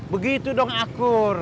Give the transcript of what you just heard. begitu dong akur